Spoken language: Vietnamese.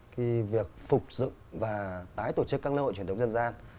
thì việc phục dựng và tái tổ chức các lễ hội truyền thống dân gian